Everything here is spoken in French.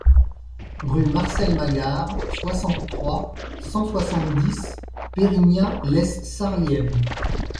Rue Marcel Magard, soixante-trois, cent soixante-dix Pérignat-lès-Sarliève